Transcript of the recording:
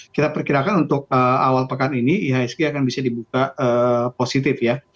kita perkirakan untuk awal pekan ini ihsg akan bisa dibuka positif ya